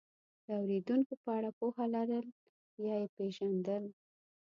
د اورېدونکو په اړه پوهه لرل یا یې پېژندل،